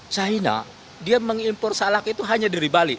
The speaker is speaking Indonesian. china dia mengimpor salak itu hanya dari bali